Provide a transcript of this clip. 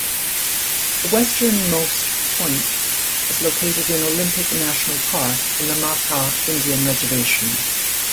The westernmost point is located in Olympic National Park and the Makah Indian Reservation.